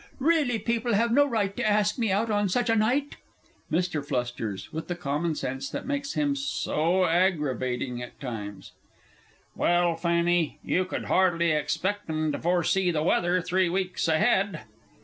_) Really, people have no right to ask one out on such a night. MR. F. (with the common sense that makes him "so aggravating at times"). Well, Fanny, you could hardly expect 'em to foresee the weather three weeks ahead!